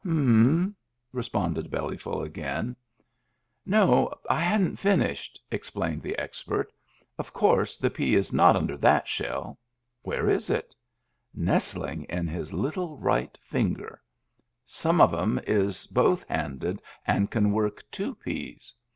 " H'm," responded Bellyful again. Digitized by Google EXTRA DRY 219 " No. I hadn't finished," explained the expert. "Of course the pea is not under that shell. Where is it ? Nestling in his little right finger. Some of 'em is both handed and can work two peas.